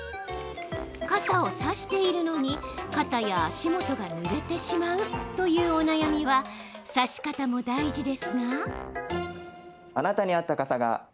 傘を差しているのに肩や足元がぬれてしまうというお悩みは差し方も大事ですが。